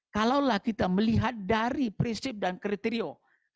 kalaulah kita melihat dari prinsip dan kriteria baik rspo maupun spo